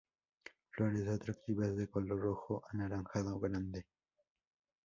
Flores, atractivas de color rojo anaranjado grande.